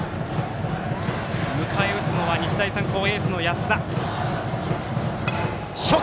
迎え撃つのは日大三高エース安田。